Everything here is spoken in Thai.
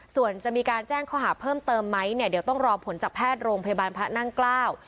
ส่วนจะมีการแจ้งข้อหาเพิ่มเติมไหมเนี่ยเดี๋ยวต้องรอผลจากแพทย์โรงพยาบาลพระนั่งเกล้า